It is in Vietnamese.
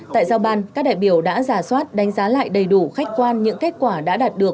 tại giao ban các đại biểu đã giả soát đánh giá lại đầy đủ khách quan những kết quả đã đạt được